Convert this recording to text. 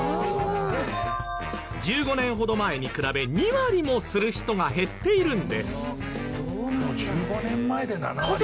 １５年ほど前に比べ２割もする人が減っているんです。